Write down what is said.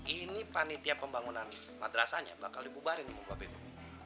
ini panitia pembangunan madrasahnya bakal dipubarin bapak ibu